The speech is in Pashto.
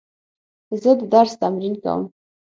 زه د درس تمرین کوم.